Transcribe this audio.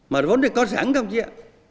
mà vốn thì có sẵn không chứ ạ